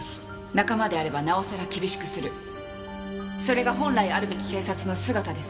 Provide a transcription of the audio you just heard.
仲間であればなおさら厳しくするそれが本来あるべき警察の姿です。